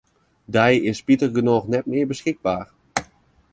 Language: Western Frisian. Dy is spitigernôch net mear beskikber.